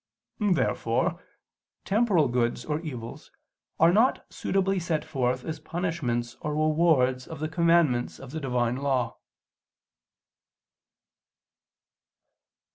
Therefore temporal goods or evils are not suitably set forth as punishments or rewards of the commandments of the Divine law.